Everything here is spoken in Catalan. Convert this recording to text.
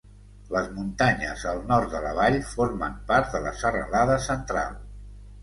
Les muntanyes al nord de la vall formen part de la Serralada Central.